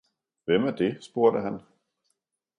Hvem er det? spurgte han.